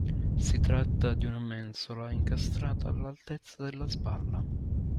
Si tratta di una mensola, incastrata all'altezza della spalla.